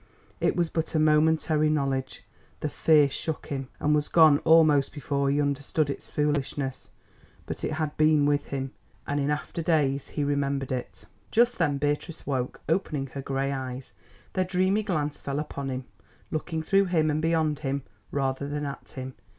It was but a momentary knowledge; the fear shook him, and was gone almost before he understood its foolishness. But it had been with him, and in after days he remembered it. Just then Beatrice woke, opening her grey eyes. Their dreamy glance fell upon him, looking through him and beyond him, rather than at him.